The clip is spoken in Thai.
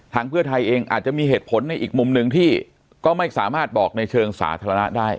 เพื่อไทยเองอาจจะมีเหตุผลในอีกมุมหนึ่งที่ก็ไม่สามารถบอกในเชิงสาธารณะได้